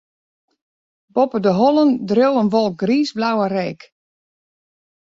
Boppe de hollen dreau in wolk griisblauwe reek.